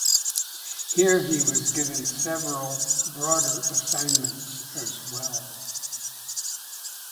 Here he was given several broader assignments as well.